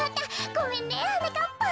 ごめんねはなかっぱん。